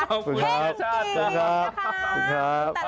วันนี้ขอบคุณเฮียชัดจากรัฐเฮงกินสวัสดีครับ